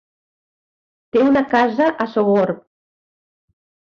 Té una casa a Sogorb.